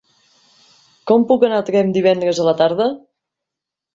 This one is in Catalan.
Com puc anar a Tremp divendres a la tarda?